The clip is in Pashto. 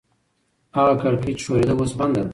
هغه کړکۍ چې ښورېده اوس بنده ده.